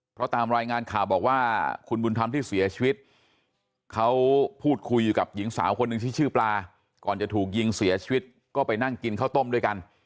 เพราะตามรายงานข่าวบอกว่าคุณบุญธรรมที่เสียชีวิตเขาพูดคุยอยู่กับหญิงสาวคนหนึ่งที่ชื่อปลาก่อนจะถูกยิงเสียชีวิตก็ไปนั่งกินข้าวต้มด้วยกัน